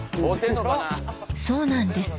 そうなんです